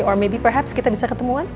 or maybe perhaps kita bisa ketemuan